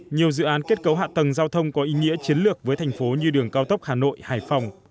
nhiều dự án kết cấu hạ tầng giao thông có ý nghĩa chiến lược với thành phố như đường cao tốc hà nội hải phòng